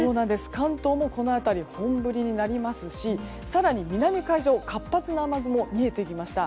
関東もこの辺り本降りになりますし更に南海上活発な雨雲が見えてきました。